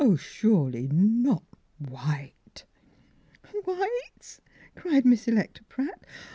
Surely, not white." "White!" cried Miss Electa Pratt.